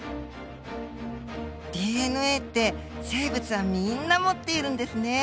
ＤＮＡって生物はみんな持っているんですね。